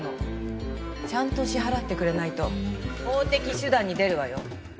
ちゃんと支払ってくれないと法的手段に出るわよ。